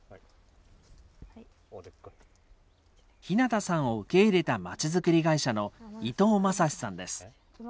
日向さんを受け入れたまちづくり会社の伊東将志さんです。